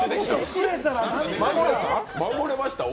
守れました？